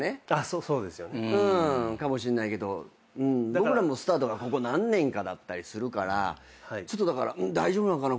僕らもスタートがここ何年かだったりするからだから大丈夫なのかな